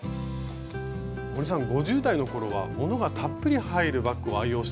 森さん５０代の頃はものがたっぷり入るバッグを愛用していたんですね。